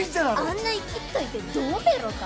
あんないきっといてどうめろか？